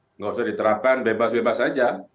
tidak usah diterapkan bebas bebas saja